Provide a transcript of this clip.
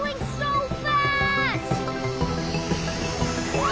うわ！